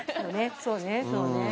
そうね、そうね。